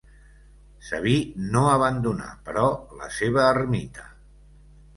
Sabí no abandonà, però, la seva ermita.